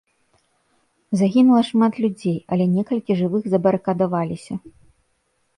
Загінула шмат людзей, але некалькі жывых забарыкадаваліся.